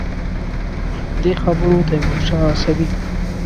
دې خبرونو تیمورشاه عصبي کړ.